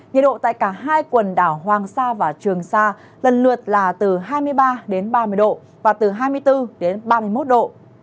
nhiệt độ tại cả hai quần đảo hoàng sa và trường sa lần lượt là từ hai mươi ba đến ba mươi độ và từ hai mươi bốn đến ba mươi một độ